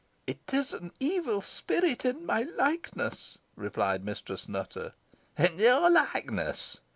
"It is an evil spirit in my likeness," replied Mistress Nutter. "In your likeness!"